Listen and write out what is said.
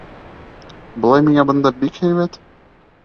Былай миңә бында бик һәйбәт.